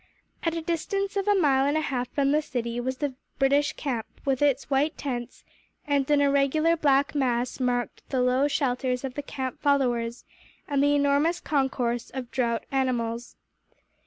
At a distance of a mile and a half from the city was the British camp, with its white tents; and an irregular black mass marked the low shelters of the camp followers and the enormous concourse of draught animals.